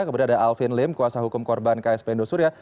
kemudian ada alvin lim kuasa hukum korban ksp indosuria